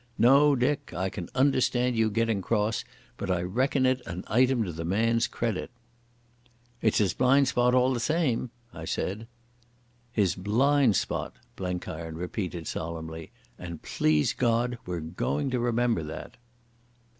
No, Dick, I can understand you getting cross, but I reckon it an item to the man's credit." "It's his blind spot all the same," I said. "His blind spot," Blenkiron repeated solemnly, "and, please God, we're going to remember that."